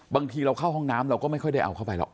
บางทีเราเข้าห้องน้ำเราก็ไม่ค่อยได้เอาเข้าไปหรอก